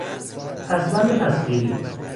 پسوند تصغیری